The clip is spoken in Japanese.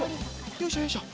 よいしょよいしょ。